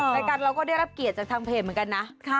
แล้วก็ได้รับเกียรติจากทางเพจเหมือนกันนะ